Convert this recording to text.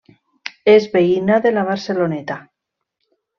És veïna de La Barceloneta.